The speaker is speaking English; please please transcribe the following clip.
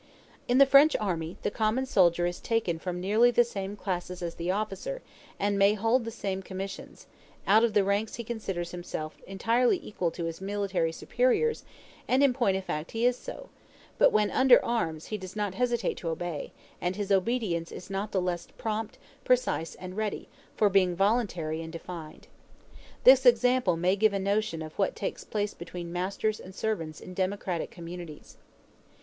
In the French army the common soldier is taken from nearly the same classes as the officer, and may hold the same commissions; out of the ranks he considers himself entirely equal to his military superiors, and in point of fact he is so; but when under arms he does not hesitate to obey, and his obedience is not the less prompt, precise, and ready, for being voluntary and defined. This example may give a notion of what takes place between masters and servants in democratic communities.